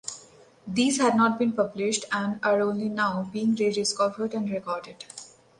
These had not been published and are only now being rediscovered and recorded.